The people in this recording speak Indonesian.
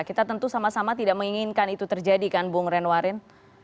kita tentu sama sama tidak menginginkan itu terjadi kan bu ngren warin